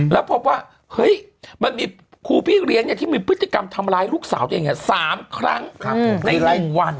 แล้วพบว่าเฮ้ยมันมีครูพี่เลี้ยงที่มีพฤติกรรมทำร้ายลูกสาวตัวเอง๓ครั้งในรายวัน